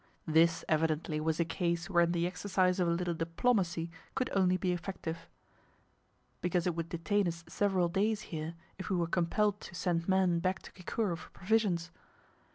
This evidently was a case wherein the exercise of a little diplomacy could only be effective; because it would detain us several days here, if we were compelled to send men back to Kikuru for provisions.